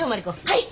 はい。